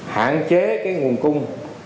hạn chế cái nguồn cung